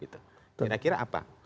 ternyata kira apa